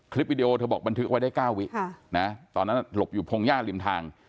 วิดีโอเธอบอกบันทึกไว้ได้๙วิตอนนั้นหลบอยู่พงหญ้าริมทาง